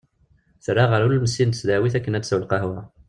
Terra ɣer ulmessi n tesdawit akken ad tessew lqahwa.